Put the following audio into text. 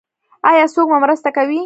ایا څوک مو مرسته کوي؟